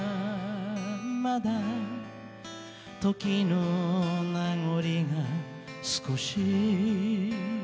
「まだ時の名残りが少し」